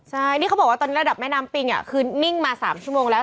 ใช่นี่เขาบอกว่าตอนนี้ระดับแม่น้ำปิงคือนิ่งมา๓ชั่วโมงแล้ว